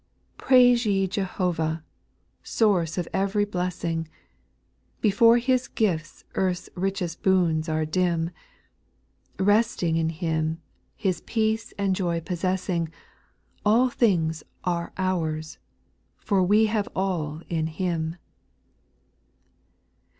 3. Praise ye Jehovah ! source of every bless ing,— Before His gifts earth's richest boons are dim ; Resting in Him, His peace and joy possess ing, All things are ours, for we have all in Him.